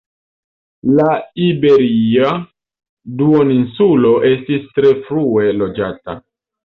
La iberia duoninsulo estis tre frue loĝata.